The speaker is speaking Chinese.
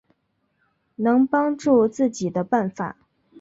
能帮助自己的办法